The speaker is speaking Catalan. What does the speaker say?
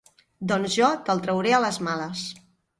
Doncs jo te'l trauré a les males.